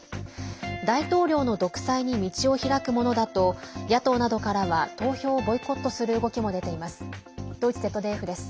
大統領の独裁に道を開くものだと野党などからは投票をボイコットする動きも出ています。